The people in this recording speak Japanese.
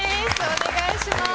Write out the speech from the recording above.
お願いします。